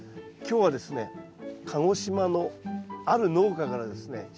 今日はですね鹿児島のある農家からですね